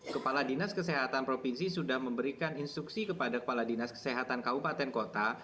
kepala dinas kesehatan provinsi sudah memberikan instruksi kepada kepala dinas kesehatan kabupaten kota